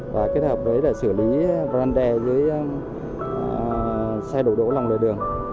và kết hợp với sử lý brande dưới xe đầu đổ lòng đường